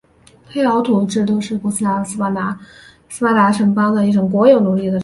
黑劳士制度是古希腊的斯巴达城邦的一种国有奴隶的制度。